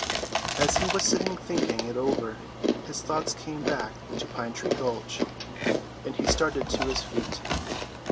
] As he was sitting thinking it over his thoughts came back to Pine tree Gulch, and he started to his feet.